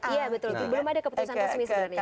iya betul belum ada keputusan resmi sebenarnya